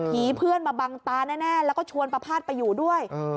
เพื่อนมาบังตาแน่แล้วก็ชวนประพาทไปอยู่ด้วย